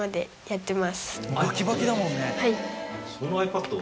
はい。